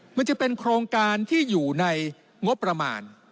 มันจะเป็นโครงการที่อยู่ในงบประมาณ